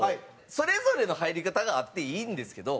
それぞれの入り方があっていいんですけど